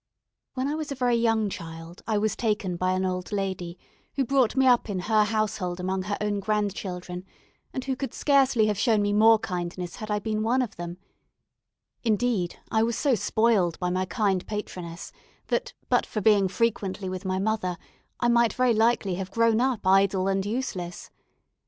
When I was a very young child I was taken by an old lady, who brought me up in her household among her own grandchildren, and who could scarcely have shown me more kindness had I been one of them; indeed, I was so spoiled by my kind patroness that, but for being frequently with my mother, I might very likely have grown up idle and useless.